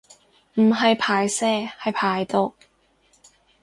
唔係排泄係排毒